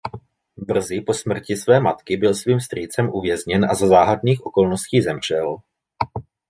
Brzy po smrti své matky byl svým strýcem uvězněn a za záhadných okolností zemřel.